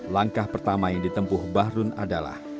langkah pertama yang ditempuh bahrun adalah